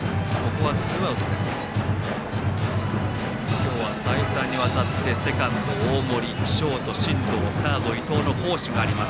今日は再三にわたってセカンド、大森ショート、進藤サード、伊藤の好守があります